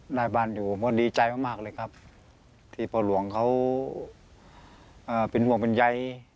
ได้บ้านอยู่ก็ดีใจมากเลยครับที่พ่อหลวงเขาเป็นห่วงเป็นใย